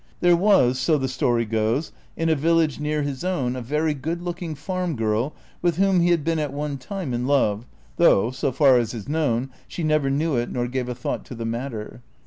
There was, so the story goes, in a village near his own a very good looking farm girl with whom he had been at one time in love, though, so far as is known, she never knew it nor gave a thought to the matter.